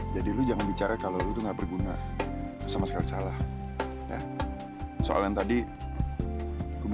jadi lo jangan bicara kalau lo tuh nggak peduli